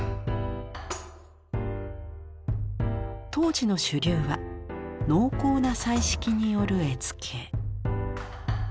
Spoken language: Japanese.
当時の主流は濃厚な彩色による絵付け。